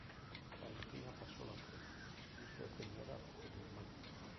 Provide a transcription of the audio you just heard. Valentina pasó la prueba y fue premiada con el manto.